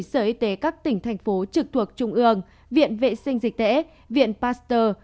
sở y tế các tỉnh thành phố trực thuộc trung ương viện vệ sinh dịch tễ viện pasteur